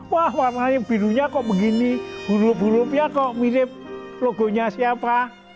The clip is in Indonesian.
wah warnanya birunya kok begini buruk buruknya kok mirip logonya siapa